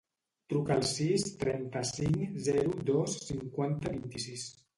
Truca al sis, trenta-cinc, zero, dos, cinquanta, vint-i-sis.